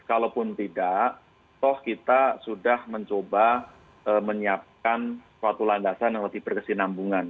kalaupun tidak toh kita sudah mencoba menyiapkan suatu landasan yang lebih berkesinambungan